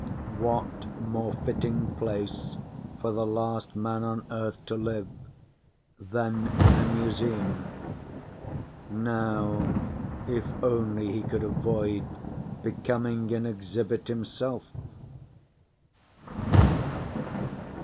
] What more fitting place for the last man on Earth to live in than a museum? Now if only he could avoid becoming an exhibit himself!